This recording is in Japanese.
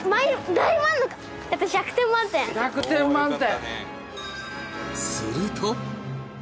１００点満点。